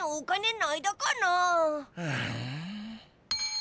ん？